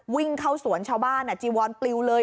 วิ่งเข้าสวนชาวบ้านจีวอนปลิวเลย